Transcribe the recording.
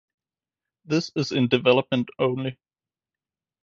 This is in development only